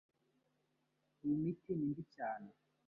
Iyi miti ni mbi cyane.